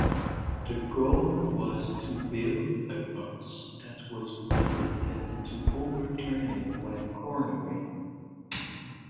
The goal was to build a bus that was resistant to overturning when cornering.